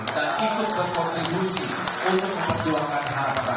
dan ikut berkontribusi untuk memperjuangkan harga harga